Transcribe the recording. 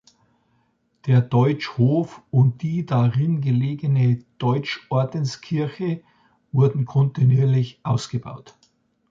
Der Deutschhof und die darin gelegene Deutschordenskirche wurden kontinuierlich ausgebaut.